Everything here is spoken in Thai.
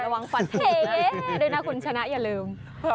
ระวังฝันโดยนะคุณชนะอย่าลืม